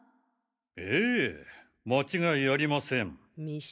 ええ間違いありません。